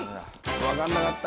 分かんなかった。